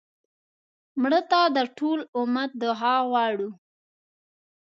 مړه ته د ټول امت دعا غواړو